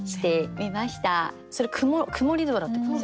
それ曇り空ってこと？